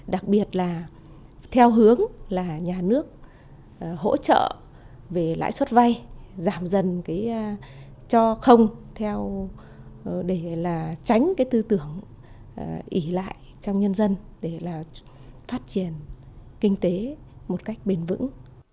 đặc biệt là theo hướng là nhà nước hỗ trợ về lãi suất vay giảm dần cho không để là tránh cái tư tưởng ỉ lại trong nhân dân để phát triển kinh tế một cách bền vững